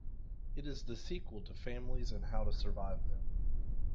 It is the sequel to "Families and How to Survive Them".